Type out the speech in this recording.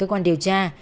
tại cơ quan điều tra